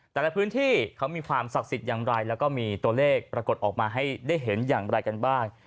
แต่ละพื้นที่เขามีความศักดิ์สิทธิ์อย่างไรแล้วก็มีตัวเลขปรากฏออกมาให้ได้เห็นอย่างไรกันบ้าง